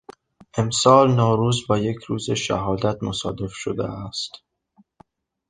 امسال نوروز با یک روز شهادت مصادف شده است.